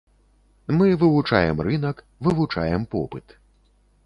Мы вывучаем рынак, вывучаем попыт.